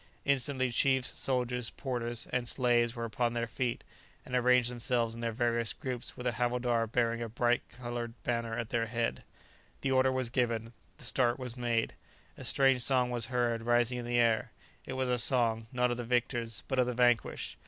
Instantly chiefs, soldiers, porters, and slaves were upon their feet, and arranged themselves in their various groups with a havildar bearing a bright coloured banner at their head. [Footnote: Coodoo, a ruminant common in Africa.] The order was given; the start was made. A strange song was heard rising in the air. It was a song, not of the victors, but of the vanquished.